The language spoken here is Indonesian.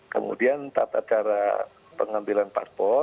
kemudian tata cara pengambilan paspor